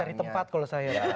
cari tempat kalau saya